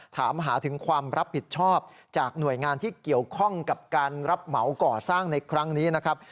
ถามหาถึงความรับผิดชอบจากหน่วยงานที่เกี่ยวข้องกับการรับเหมาก่อสร้างในครั้งนี้นะครับ